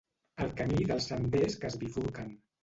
El camí dels senders que es bifurquen.